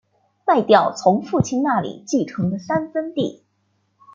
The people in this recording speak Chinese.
卖掉从父亲那里继承的三分地